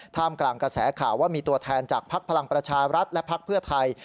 กลางกระแสข่าวว่ามีตัวแทนจากภักดิ์พลังประชารัฐและพักเพื่อไทย